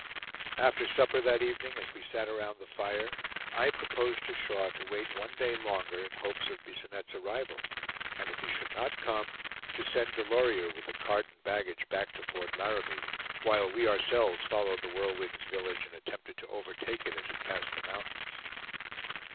After supper that evening, as we sat around the fire, I proposed to Shaw to wait one day longer in hopes of Bisonette's arrival, and if he should not come to send Delorier with the cart and baggage back to Fort Laramie, while we ourselves followed The Whirlwind's village and attempted to overtake it as it passed the mountains.